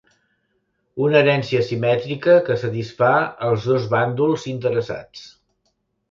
Una herència simètrica que satisfà els dos bàndols interessats.